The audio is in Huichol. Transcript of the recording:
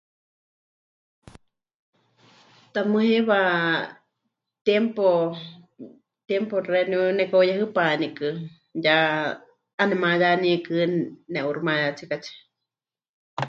Tamɨ́ heiwa tiempo, tiempo xeeníu nemɨkaheuyehɨpanikɨ ya 'enemayaníkɨ ne'uuximayátsikatsie.